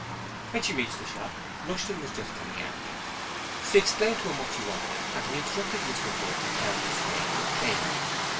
When she reached the shop Rushton was just coming out. She explained to him what she wanted and he instructed Mr Budd to tell Miss Wade to pay her.